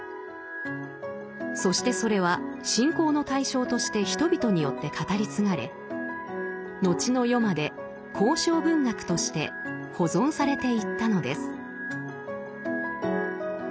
そしてそれは信仰の対象として人々によって語り継がれ後の世まで口承文学として保存されていったのです。